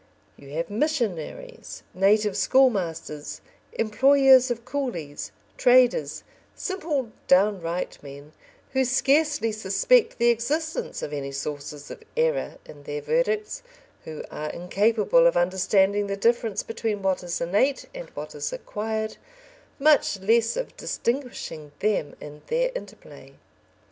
You have missionaries, native schoolmasters, employers of coolies, traders, simple downright men, who scarcely suspect the existence of any sources of error in their verdicts, who are incapable of understanding the difference between what is innate and what is acquired, much less of distinguishing them in their interplay.